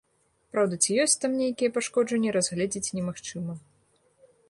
Праўда, ці ёсць там нейкія пашкоджанні, разгледзець немагчыма.